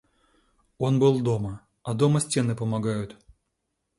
Он был дома, а дома стены помогают.